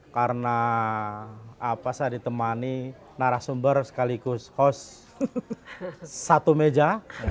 karena saya ditemani narasumber sekaligus host satu meja